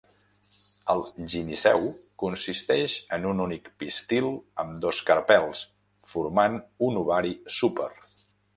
El gineceu consisteix en un únic pistil amb dos carpels, formant un ovari súper.